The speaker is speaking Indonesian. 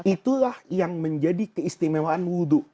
itulah yang menjadi keistimewaan wudhu